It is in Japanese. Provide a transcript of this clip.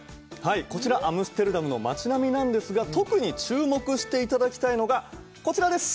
こちらアムステルダムの町並みなんですが特に注目して頂きたいのがこちらです